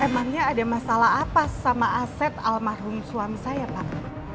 emangnya ada masalah apa sama aset almarhum suami saya pak